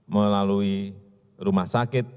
melalui rumah sakit